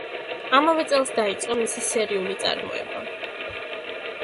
ამავე წელს დაიწყო მისი სერიული წარმოება.